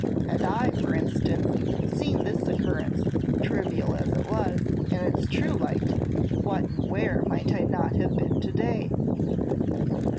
"Had I, for instance, seen this occurrence, trivial as it was, in its true light, what and where might I not have been to day?"